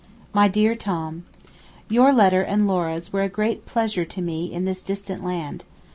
MY DEAR TOM, Your letter and Laura's were a great pleasure to me in this distant land.